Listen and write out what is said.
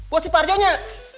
buat si farjonya